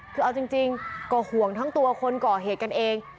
คือเอาจริงก็ห่วงทั้งตัวคนก่อเหตุกันเอง